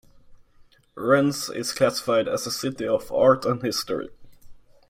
Rennes is classified as a city of art and history.